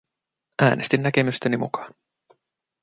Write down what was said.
Äänestin näkemysteni mukaan.